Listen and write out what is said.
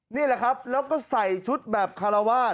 นี่แหละครับแล้วก็ใส่ชุดแบบคารวาส